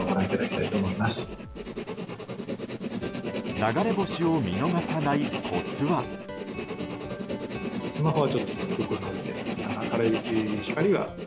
流れ星を見逃さないコツは。